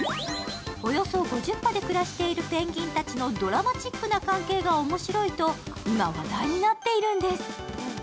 およそ５０羽で暮らしているペンギンたちのドラマチックな関係が面白いと今、話題になっているんです。